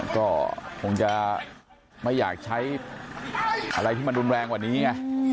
ก็คงจะไม่อยากใช้อะไรที่มันรุนแรงกว่านี้ไง